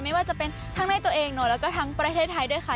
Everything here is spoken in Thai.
ไม่ว่าจะเป็นทั้งในตัวเองแล้วก็ทั้งประเทศไทยด้วยค่ะ